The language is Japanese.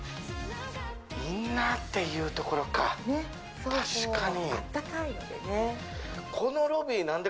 インナーっていうところか、確かに。